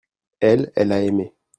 elle, elle a aimé.